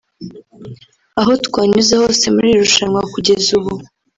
Aho twanyuze hose muri iri rushanwa kugeza ubu